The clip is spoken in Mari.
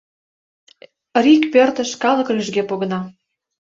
Рик пӧртыш калык рӱжге погына.